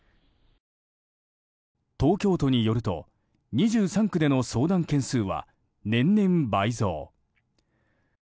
東京都によると、２３区での相談件数は年々倍増。